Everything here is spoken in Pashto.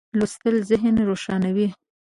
لوستل ذهن روښانوي.